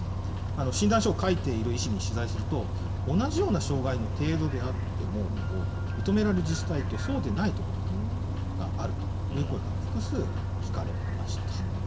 診断書を書いている医師に取材すると、同じような障害の程度であっても、認められる自治体と、そうでない所があるという声が、複数聞かれました。